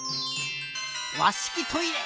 わしきトイレ！